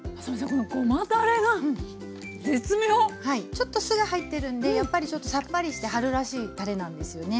ちょっと酢が入ってるんでやっぱりちょっとさっぱりして春らしいたれなんですよね。